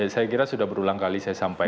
saya kira sudah berulang kali saya sampaikan